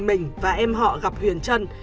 mình và em họ gặp huyền trân